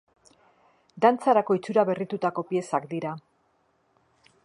Dantzarako itxuraberritutako piezak dira.